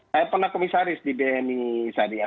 saya pernah komisaris di bni syariah